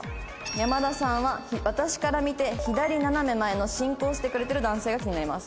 山田さんは私から見て左斜め前の進行してくれてる男性が気になります。